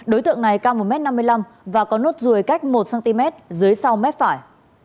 đối tượng này cao một m năm mươi năm và có nốt ruồi cách một cm dưới sau mép phải